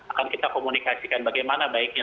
akan kita komunikasikan bagaimana baiknya